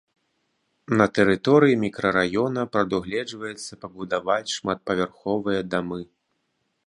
На тэрыторыі мікрараёна прадугледжваецца пабудаваць шматпавярховыя дамы.